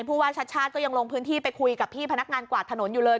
ว่าชัดชาติก็ยังลงพื้นที่ไปคุยกับพี่พนักงานกวาดถนนอยู่เลย